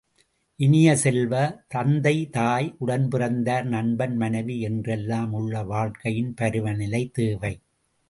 இனிய செல்வ, தந்தை, தாய், உடன்பிறந்தார், நண்பன், மனைவி என்றெல்லாம் உள்ள வாழ்க்கையின் பருவநிலை தேவை.